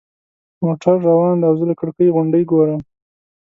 موټر روان دی او زه له کړکۍ غونډۍ ګورم.